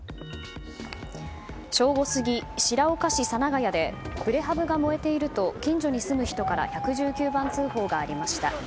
正午過ぎ、白岡市実ヶ谷でプレハブが燃えていると近所に住む人から１１９番通報がありました。